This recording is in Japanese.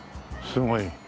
すごい。